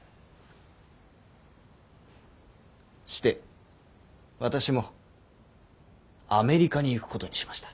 して私もアメリカに行くことにしました。